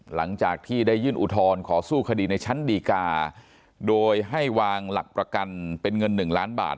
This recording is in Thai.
หลังจากที่ได้ยื่นอุทธรณ์ขอสู้คดีในชั้นดีกาโดยให้วางหลักประกันเป็นเงิน๑ล้านบาท